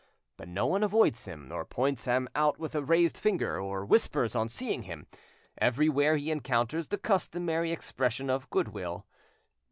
But no one avoids him, or points him out with a raised finger, or whispers on seeing him; everywhere he encounters the customary expression of goodwill.